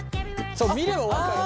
そう見れば分かる。